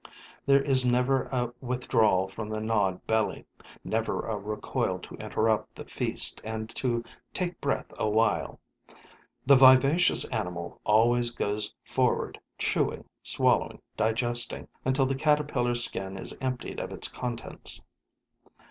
There is never a withdrawal from the gnawed belly, never a recoil to interrupt the feast and to take breath awhile. The vivacious animal always goes forward, chewing, swallowing, digesting, until the caterpillar's skin is emptied of its contents.